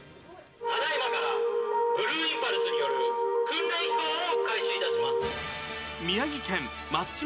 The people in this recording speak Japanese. ただいまから、ブルーインパルスによる訓練飛行を開始いたします。